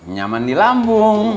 nyaman di lambung